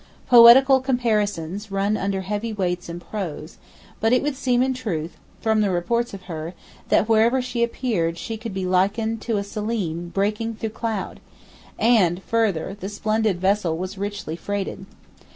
Poetical comparisons run under heavy weights in prose; but it would seem in truth, from the reports of her, that wherever she appeared she could be likened to a Selene breaking through cloud; and, further, the splendid vessel was richly freighted.